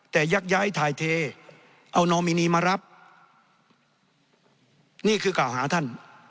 แต่ยักย้ายถ่ายเทเอานอมินีมารับนี่คือกล่าวหาท่าน